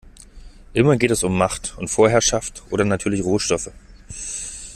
Immer geht es um Macht und Vorherrschaft oder natürlich Rohstoffe.